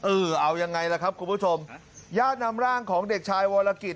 เอายังไงล่ะครับคุณผู้ชมญาตินำร่างของเด็กชายวรกิจ